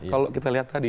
kalau kita lihat tadi